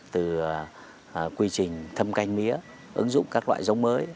từ quy trình thâm canh mía ứng dụng các loại giống mới